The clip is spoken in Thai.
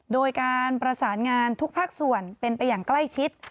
โดยการประสานงานทุกภาคส่วนเป็นไปอย่างใกล้ชิด